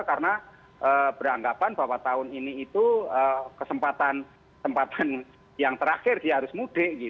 karena beranggapan bahwa tahun ini itu kesempatan yang terakhir dia harus mudik